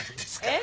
え？